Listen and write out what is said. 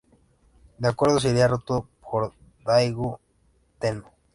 El Acuerdo sería roto por Go-Daigo Tennō.